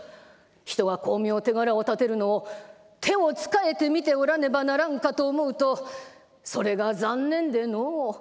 人が功名手柄を立てるのを手をつかえて見ておらねばならんかと思うとそれが残念でのう」。